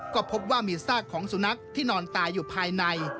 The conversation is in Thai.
ก็พบว่ามีซากของสุนัขที่นอนตายอยู่ภายใน